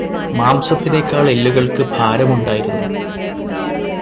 മാംസത്തിനേക്കാൾ എല്ലുകൾക്ക് ഭാരമുണ്ടായിരുന്നു.